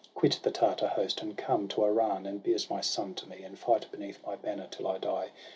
quit the Tartar host, and come To Iran, and be as my son to me, And fight beneath my banner till I die.